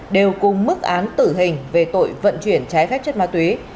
đều cùng mức án tử hình về tội vận chuyển trái phép chất ma túy